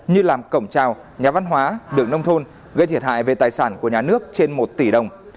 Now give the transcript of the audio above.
như làm cổng trào nhà văn hóa đường nông thôn gây thiệt hại về tài sản của nhà nước trên một tỷ đồng